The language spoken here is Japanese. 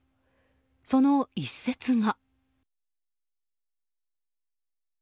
その一説が。